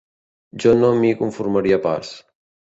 Jo no m'hi conformaria pas.